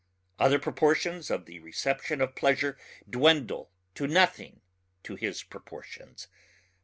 Other proportions of the reception of pleasure dwindle to nothing to his proportions.